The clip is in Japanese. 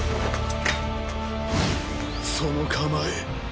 その構え。